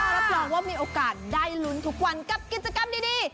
รับรองว่ามีโอกาสได้ลุ้นทุกวันกับกิจกรรมดี